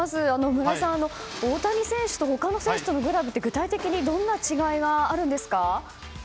村井さん、大谷選手と他の選手のグラブって具体的にどんな違いがあるんですか？